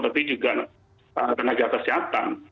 tapi juga tenaga kesehatan